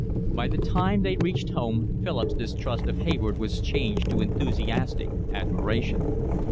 By the time they reached home Philip's distrust of Hayward was changed to enthusiastic admiration.